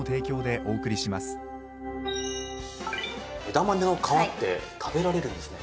枝豆の皮って食べられるんですね。